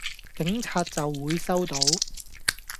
警察就會收到